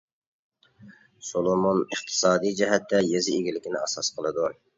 سولومون ئىقتىسادىي جەھەتتە يېزا ئىگىلىكىنى ئاساس قىلىدۇ.